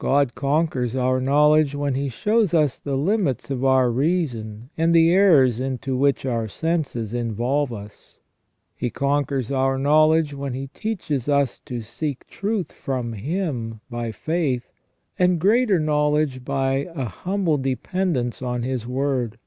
God conquers our knowledge when He shows us the limits of our reason and the errors into which our senses involve us. He conquers our knowledge when He teaches us to seek truth from Him by faith, and greater knowledge by an humble dependence on His Word.